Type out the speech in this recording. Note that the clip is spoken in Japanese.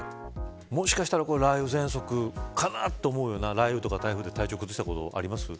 もしかしたら雷雨ぜんそくかなと思うよな雷雨とか台風で体調を崩したことありますか。